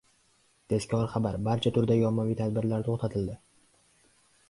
Tezkor xabar: barcha turdagi ommaviy tadbirlar to‘xtatildi